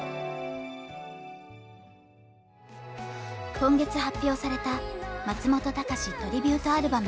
今月発表された「松本隆トリビュートアルバム」。